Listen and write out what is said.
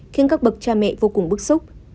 khiến các bậc cha mẹ vô cùng bức xúc